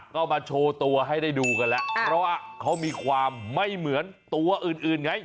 ก็มาโชว์ตัวให้ได้ดูกันแล้วเพราะว่าเขามีความไม่เหมือนตัวอื่นไง